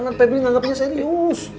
nant pebri nganggepinnya serius